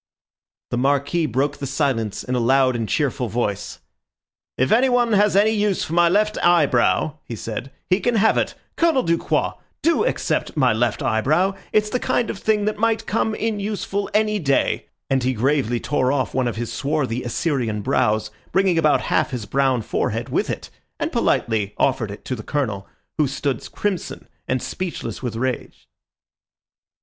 The Marquis broke the silence in a loud and cheerful voice. "If anyone has any use for my left eyebrow," he said, "he can have it. Colonel Ducroix, do accept my left eyebrow! It's the kind of thing that might come in useful any day," and he gravely tore off one of his swarthy Assyrian brows, bringing about half his brown forehead with it, and politely offered it to the Colonel, who stood crimson and speechless with rage.